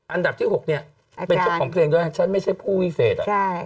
อันดับที่๖เป็นชุดของเกรงด้วยฉันไม่ใช่ผู้วิเศษ